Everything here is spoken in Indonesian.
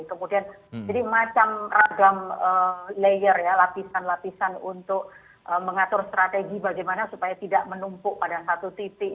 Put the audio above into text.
kemudian jadi macam ragam layer ya lapisan lapisan untuk mengatur strategi bagaimana supaya tidak menunggu